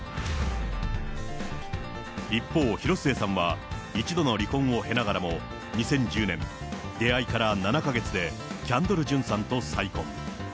一方、広末さんは１度の離婚を経ながらも、２０１０年、出会いから７か月でキャンドル・ジュンさんと再婚。